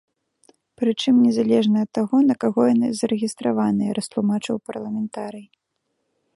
Прычым незалежна ад таго, на каго яны зарэгістраваныя, растлумачыў парламентарый.